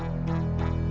aku mau ke rumah